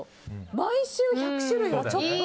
毎週１００種類は。